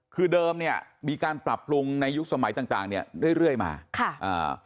คือเดิมเนี้ยมีการปรับปรุงในยุคสมัยต่างต่างเนี้ยเรื่อยเรื่อยมาค่ะอ่า